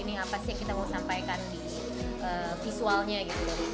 ini apa sih yang kita mau sampaikan di visualnya gitu loh